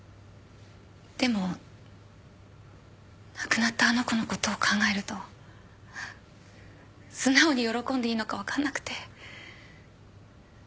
でも亡くなったあの子のことを考えると素直に喜んでいいのか分かんなくて。